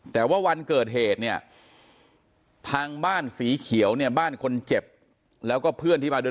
แต่ว่าวันเกิดเหตุเนี่ยทางบ้านสีเขียวเนี่ยบ้านคนเจ็บแล้วก็เพื่อนที่มาด้วย